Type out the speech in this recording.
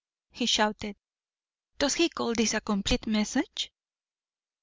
he shouted. "Does he call this a complete message?"